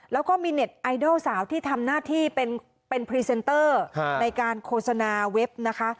แล้วก็มีเน็ตไอดอลสาวที่ทำหน้าที่เป็นพรีเซนเตอร์ในการโฆษณาเว็บนะคะ